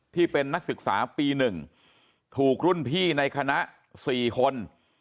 ที่เป็นนักศึกษาปี๑ถูกรุ่นพี่ในคณะ๔คน